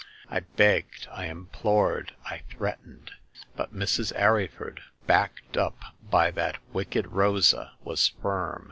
I begged, I implored, I threatened ; but Mrs. Arryford, backed up by that wicked Rosa, was firm.